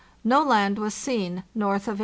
No land was seen north of 82°.